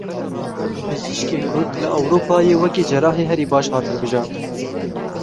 Bijîşkê Kurd li Ewropayê wekî cerahê herî baş hat hilbijartin.